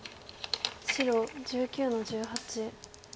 白１９の十八。